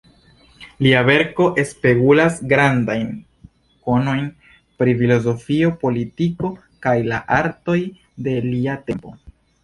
Lia verko spegulas grandajn konojn pri filozofio, politiko kaj la artoj de lia tempo.